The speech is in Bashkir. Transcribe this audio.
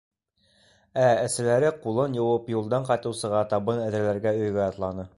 Ә әсәләре ҡулын йыуып, юлдан ҡайтыусыға табын әҙерләргә өйгә атланы.